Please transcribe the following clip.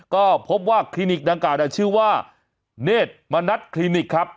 ก็พบว่าคลินิกดังกล่าชื่อว่าเนธมณัฐคลินิกครับ